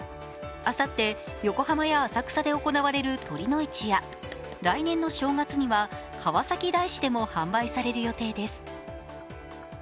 あさって横浜や浅草で行われる酉の市や来年の正月には川崎大師でも販売される予定です。